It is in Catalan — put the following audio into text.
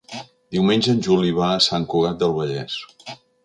Diumenge en Juli va a Sant Cugat del Vallès.